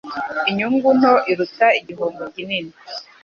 Inyungu nto iruta igihombo kinini.